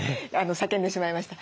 叫んでしまいました。